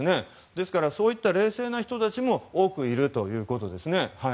ですから、そういった冷静な人たちも多くいるということです。